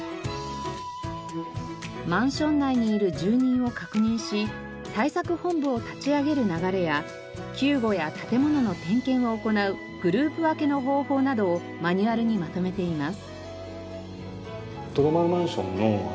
マンション内にいる住人を確認し対策本部を立ち上げる流れや救護や建物の点検を行うグループ分けの方法などをマニュアルにまとめています。